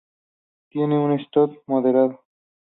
Tiene un stop moderado.